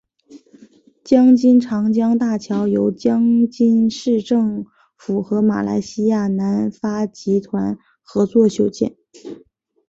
江津长江大桥由江津市政府和马来西亚南发集团合作修建。